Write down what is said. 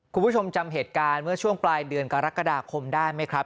คุณผู้ชมจำเหตุการณ์เมื่อช่วงปลายเดือนกรกฎาคมได้ไหมครับ